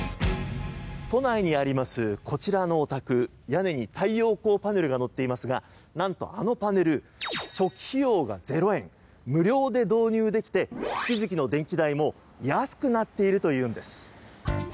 都内にある、こちらのお宅屋根に太陽光パネルがのっていますが何と、あのパネル初期費用が０円無料で導入できて月々の電気代も安くなっているというのです。